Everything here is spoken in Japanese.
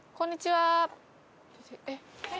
はい。